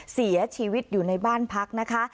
เสียชีวิตอยู่ในบ้านพักนะคะ